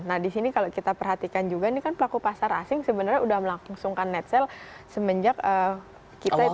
nah di sini kalau kita perhatikan juga ini kan pelaku pasar asing sebenarnya sudah melangsungkan net sale semenjak kita itu